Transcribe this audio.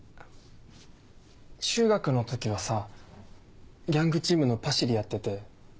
中学の時はさギャングチームのパシリやってて。